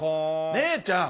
姉ちゃん。